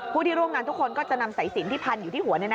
ผู้ที่ร่วมงานทุกคนก็จะนำสายสินที่พันอยู่ที่หัว